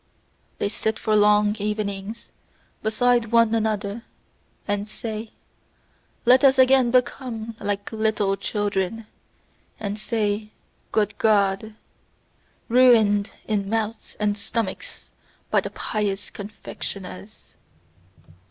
They sit for long evenings beside one another, and say: "Let us again become like little children and say, 'good God!'" ruined in mouths and stomachs by the pious confectioners.